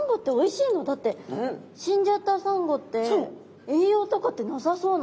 だって死んじゃったサンゴって栄養とかってなさそうなんですけど。